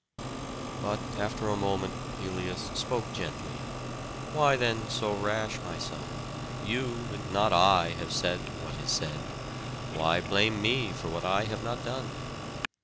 But after a moment Pelias spoke gently, "Why then so rash, my son? You, and not I, have said what is said; why blame me for what I have not done?